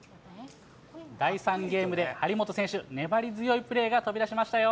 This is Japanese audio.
第３ゲームで張本選手、粘り強いプレーが飛び出しましたよ。